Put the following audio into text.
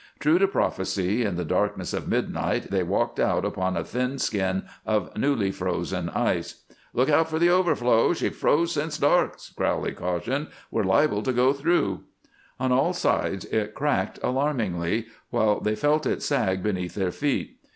True to prophecy, in the darkness of midnight they walked out upon a thin skin of newly frozen ice. "Look out for the overflow! She froze since dark," Crowley cautioned. "We're liable to go through." On all sides it cracked alarmingly, while they felt it sag beneath their feet.